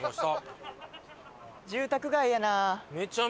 住宅街やな！